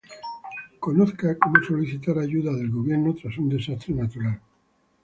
Conozca cómo solicitar ayuda del Gobierno tras un desastre natural.